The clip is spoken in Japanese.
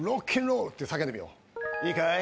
いいかい？